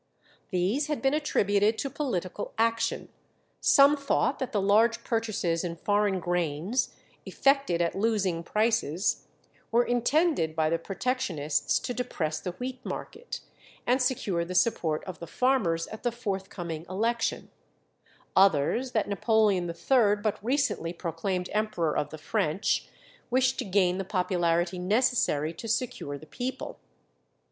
These had been attributed to political action; some thought that the large purchases in foreign grains, effected at losing prices, were intended by the protectionists to depress the wheat market, and secure the support of the farmers at the forthcoming election; others, that Napoleon III., but recently proclaimed Emperor of the French, wished to gain the popularity necessary to secure the people.